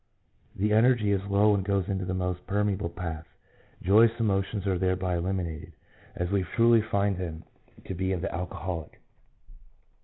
The energy is low and goes into the most permeable paths; joyous emotions are thereby eliminated, as we truly find them to be in the alcoholic.